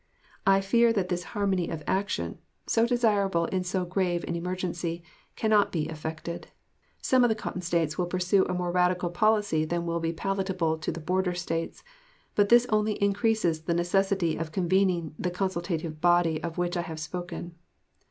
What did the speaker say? I fear that this harmony of action, so desirable in so grave an emergency, cannot be effected. Some of the Cotton States will pursue a more radical policy than will be palatable to the border States, but this only increases the necessity of convening the consultative body of which I have spoken.